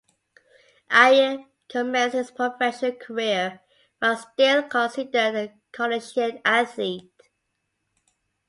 Ayre commenced his professional career while still considered a collegiate athlete.